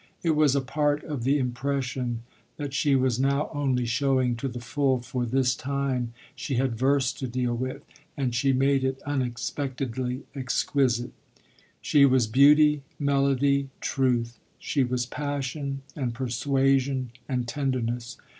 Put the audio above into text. It was a part of the impression that she was now only showing to the full, for this time she had verse to deal with and she made it unexpectedly exquisite. She was beauty, melody, truth; she was passion and persuasion and tenderness.